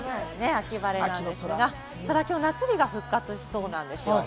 秋晴れなんですが、ただきょうは夏日が復活しそうなんですよ。